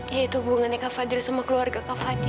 yaitu hubungannya kak fadil sama keluarga kak fadil